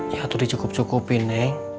ya itu dicukup cukupin neng